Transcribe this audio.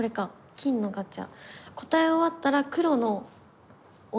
金のガチャ。